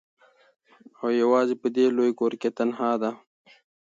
او یوازي په دې لوی کور کي تنهاده